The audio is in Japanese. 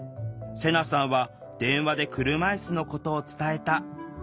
セナさんは電話で車いすのことを伝えた。